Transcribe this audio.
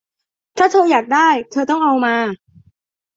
ถ้าเธออยากได้ เธอต้องเอามา